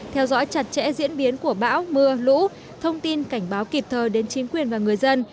theo dõi chặt chẽ diễn biến của bão mưa lũ thông tin cảnh báo kịp thời đến chính quyền và người dân